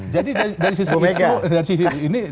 jadi dari sisi itu